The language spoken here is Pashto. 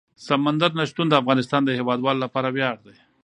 سمندر نه شتون د افغانستان د هیوادوالو لپاره ویاړ دی.